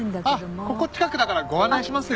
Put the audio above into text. ああここ近くだからご案内しますよ。